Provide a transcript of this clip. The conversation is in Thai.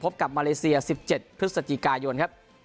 กับมาเลเซีย๑๗พฤศจิกายนครับ